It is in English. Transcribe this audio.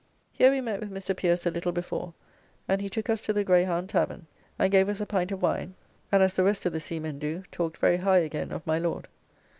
Here we met with Mr. Pierce a little before, and he took us to the Greyhound Tavern, and gave us a pint of wine, and as the rest of the seamen do, talked very high again of my Lord.